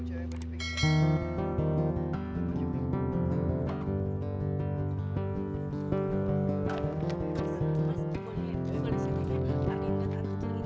terima kasih ya